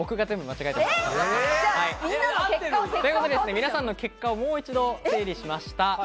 というわけで、皆さんの結果を、もう一度整理しました。